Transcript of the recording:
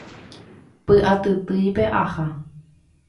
py'atytýipe aha